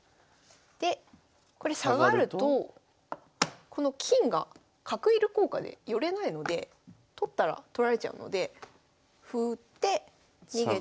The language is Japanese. でこれ下がるとこの金が角いる効果で寄れないので取ったら取られちゃうので歩打って下がる。